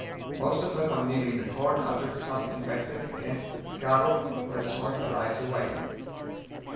Most of them on leaving the Court uttered some invective against "the picaro who had sworn their lives away."